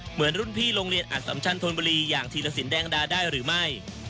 เหมือนรุ่นพี่โรงเรียนอัดสัมชันธนบุรีอย่างธีรสินแดงดาได้หรือไม่